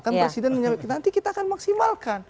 kan presiden menyampaikan nanti kita akan maksimalkan